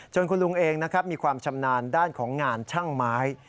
คุณลุงเองนะครับมีความชำนาญด้านของงานช่างไม้